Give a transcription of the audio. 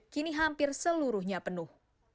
kini hampir seluruhnya penuh